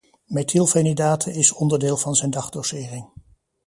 Methylphenidate is onderdeel van zijn dagdosering.